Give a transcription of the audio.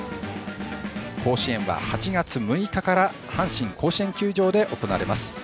甲子園は８月６日から阪神甲子園球場で行われます。